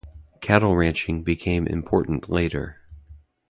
Cattle ranching became important later.